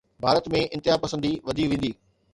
ڀارت ۾ انتهاپسندي وڌي ويندي.